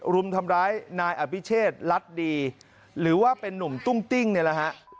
รุมทำร้ายนายอภิเชษลัดดีหรือว่าเป็นนุ่มตุ้งติ้งนี่แหละฮะ